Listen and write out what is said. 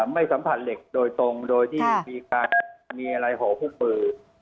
ไม่สัมผัสเหล็กโดยตรงโดยที่มีการมีอะไรห่อคู่มือ